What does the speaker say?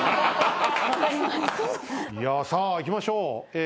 さあいきましょう。